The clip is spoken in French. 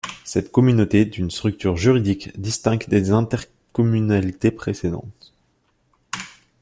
Cette communauté est une structure juridique distincte des intercommunalités précédentes.